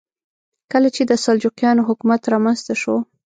کله چې د سلجوقیانو حکومت رامنځته شو.